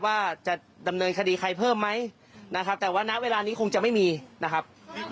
ว่าจะดำเนินคดีใครเพิ่มไหมนะครับแต่ว่าณเวลานี้คงจะไม่มีนะครับ